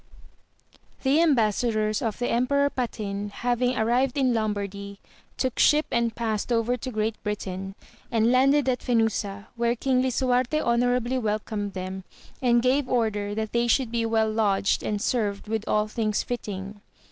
[HE embassadors of the Emperor Patin having arrived in Lombardy took ship and passed over to Great Britain, and landed at Fenusa, where King Lisuarte honourably welcomed them, and gave order that they should be well lodged and served with all things fitting.